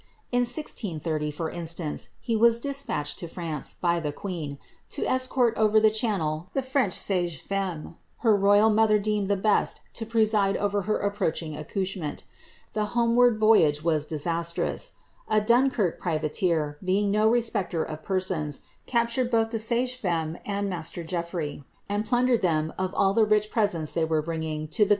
In 1630, for instance, he was despatched to France by queen, to escort over the clianncl the French sage femme her mother deemed the best to preside over her approaching accouchei The homeward voyage was disastrous : a Dunkirk privateer, being a^ respecter of persons, captured both the sagefcmme and Master Geoffi^^^ and plundered them of all the rich presents they were bringing to th9